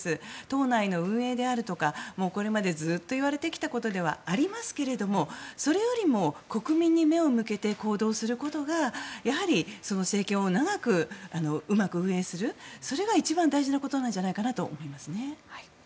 党内の運営であるとかこれまでずっといわれてきたことではありますがそれよりも国民に目を向けて行動することがやはり政権を長くうまく運営するそれが一番大事なことなんじゃないかなと思います。